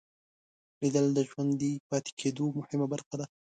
لیدل د ژوندي پاتې کېدو مهمه برخه ده